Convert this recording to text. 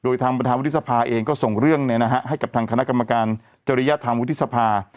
โดยทางประธานวุฒิสภาเองก็ส่งเรื่องให้กับทางคณะกรรมการจริยธรรมวุฒิสภา